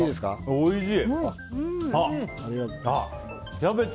おいしい！